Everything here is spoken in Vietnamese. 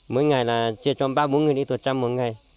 mỗi ngày là chia cho ba bốn người đi tuần trang một ngày